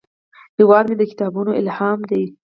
هیواد مې د کتابونو الهام دی